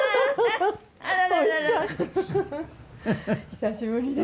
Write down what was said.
久しぶりですね。